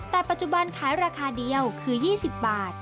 แต่ปัจจุบันขายราคาเดียวคือ๒๐บาท